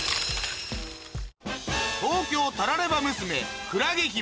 『東京タラレバ娘』『海月姫』